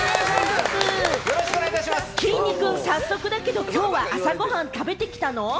きんに君、早速だけれども今日は朝ご飯食べてきたの？